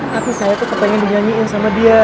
tapi saya tuh kepengen dinyanyiin sama dia